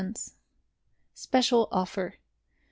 SPECIAL OFFER.